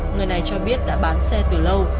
người này cho biết đã bán xe từ lâu